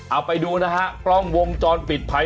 เอาไปดูนะฮะกล้องวงจรปิดภาย